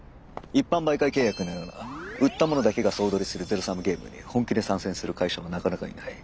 一般媒介契約のような売ったものだけが総取りするゼロサムゲームに本気で参戦する会社はなかなかいない。